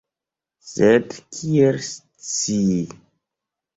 Sed kiel scii?